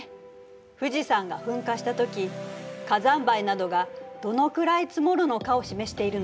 富士山が噴火したとき火山灰などがどのくらい積もるのかを示しているの。